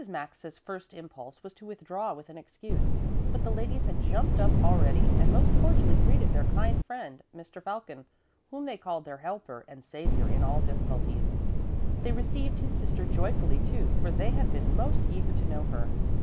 Mrs. Maxa's first impulse was to withdraw with an excuse, but the ladies had jumped up already and most cordially greeted their kind friend, Mr Falcon, whom they called their helper and saviour in all difficulties. They received his sister joyfully, too, for they had been most eager to know her.